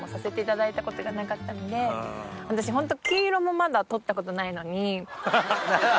私ホント。